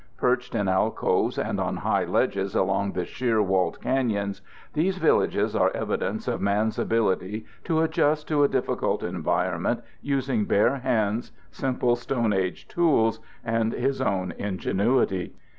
Perched in alcoves and on high ledges along the sheer walled canyons, these villages are evidence of man's ability to adjust to a difficult environment, using bare hands, simple stone age tools, and his own ingenuity.